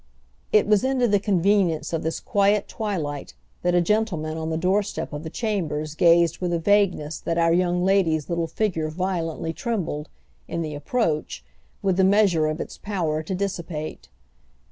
It was into the convenience of this quiet twilight that a gentleman on the doorstep of the Chambers gazed with a vagueness that our young lady's little figure violently trembled, in the approach, with the measure of its power to dissipate.